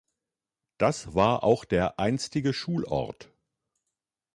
Das war auch der einstige Schulort.